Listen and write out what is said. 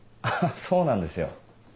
そうなんですよ